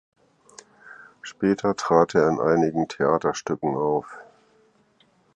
Später trat er in einigen Theaterstücken auf.